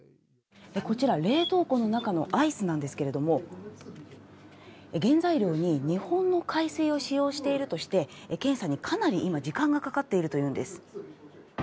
こちら、冷凍庫の中のアイスなんですが原材料に日本の海水を使用しているとして検査にかなり今時間がかかっているというんです。